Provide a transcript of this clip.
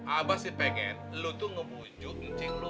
abah sih pengen lo tuh ngebujuk ncing lo